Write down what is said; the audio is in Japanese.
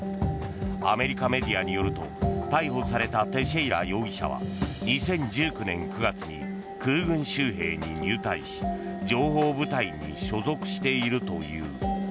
アメリカメディアによると逮捕されたテシェイラ容疑者は２０１９年９月に空軍州兵に入隊し情報部隊に所属しているという。